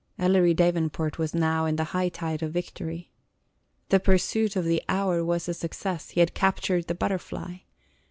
Ellery Davenport was now in the high tide of victory. The pursuit of the hour was a success; he had captured the butterfly.